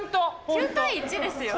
９対１ですよ。